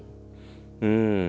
うん。